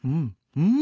うん！